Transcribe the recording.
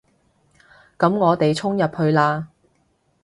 噉我哋衝入去啦